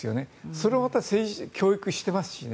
それをまた教育していますしね。